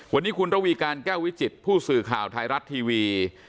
วันนี้คุณระวีการแก้ววิจิตผู้สื่อข่าวไทยรัฐทีวี